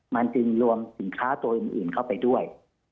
มันจึงรวมสินค้าตัวอื่นเข้าไปด้วย